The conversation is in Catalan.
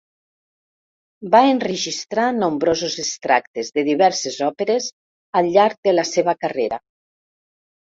Va enregistrar nombrosos extractes de diverses òperes al llarg de la seva carrera.